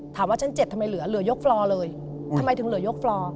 ถามว่าชั้นเจ็ดทำไมเหลือเหลือยกฟลอเลยอืมทำไมถึงเหลือยกฟลอ